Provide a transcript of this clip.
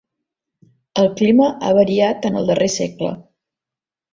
El clima ha variat en el darrer segle.